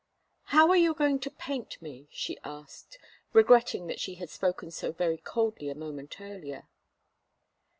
"How are you going to paint me?" she asked, regretting that she had spoken so very coldly a moment earlier.